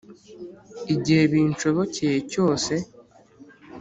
igihe binshobokeye cyose